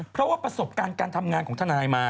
เพราะว่าประสบการณ์การทำงานของทนายมา